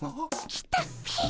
来たっピ。